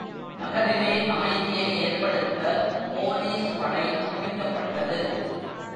நகரிலே அமைதியை ஏற்படுத்த போலீஸ்படை குவிக்கப்பட்டது.